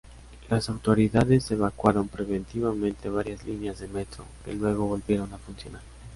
Las autoridades evacuaron preventivamente varias líneas de metro, que luego volvieron a funcionar.